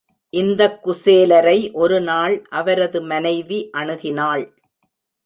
இந்தக் குசேலரை ஒருநாள் அவரது மனைவி அணுகினாள்.